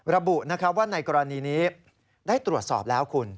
ระบุว่าในกรณีนี้ได้ตรวจสอบแล้วคุณ